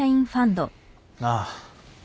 ああ。